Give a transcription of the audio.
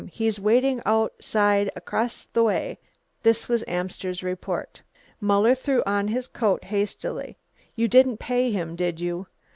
he's waiting outside across the way!" This was Amster's report. Muller threw on his coat hastily. "You didn't pay him, did you?